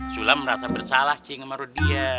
sulam merasa bersalah cing sama rudy ya